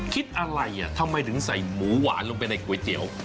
คิดอะไรทำไมถึงใส่หมูหวานลงไปในก๋วยเตี๋ยว